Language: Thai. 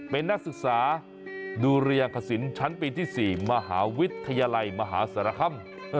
เป็นนักศึกษาดูเรียงคสินชั้นปีที่๔มหาวิทยาลัยมหาสารคำ